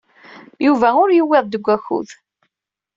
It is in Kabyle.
Yuba ur yewwiḍ deg wakud.